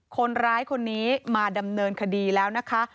คนร้ายคนนี้มาดำเนินคดีแล้วนะคะ